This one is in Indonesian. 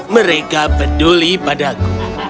mereka peduli padaku